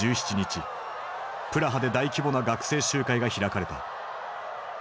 プラハで大規模な学生集会が開かれた。